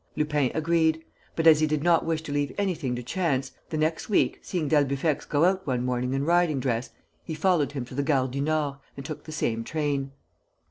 Lupin agreed; but, as he did not wish to leave anything to chance, the next week, seeing d'Albufex go out one morning in riding dress, he followed him to the Gare du Nord and took the same train.